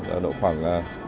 ở độ khoảng bốn sáu